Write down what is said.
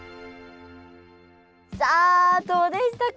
さあどうでしたか？